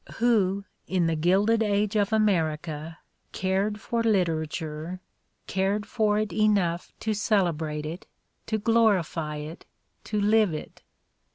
Who, in the Gilded Age of America, cared for literature, cared for it enough to celebrate it, to glorify it, to live it?